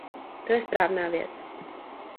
To je správná věc.